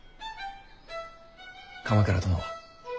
鎌倉殿。